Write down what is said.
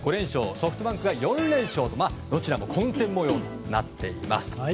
ソフトバンクが４連勝とどちらも混戦模様となっています。